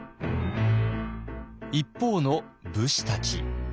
一方の武士たち。